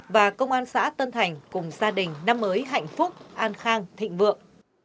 và công an xã tân thành cùng gia đình năm mới hạnh phúc an khang thịnh vượng